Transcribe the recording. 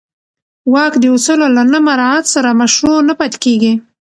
واک د اصولو له نه مراعت سره مشروع نه پاتې کېږي.